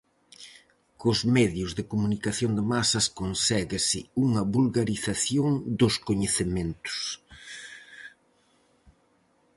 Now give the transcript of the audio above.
Cos medios de comunicación de masas conséguese unha vulgarización dos coñecementos.